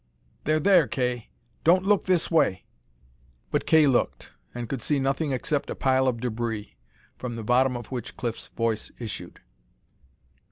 "They're there, Kay. Don't look this way!" But Kay looked and could see nothing except a pile of debris, from the bottom of which Cliff's voice issued.